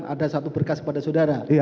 ada satu berkas kepada saudara